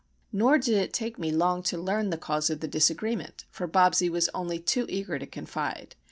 Nor did it take me long to learn the cause of the disagreement,—for Bobsie was only too eager to confide.